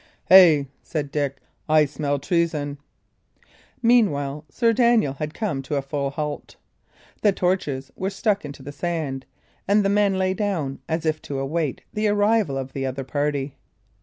"Hey," said Dick, "I smell treason." Meanwhile, Sir Daniel had come to a full halt. The torches were stuck into the sand, and the men lay down, as if to await the arrival of the other party.